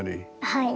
はい。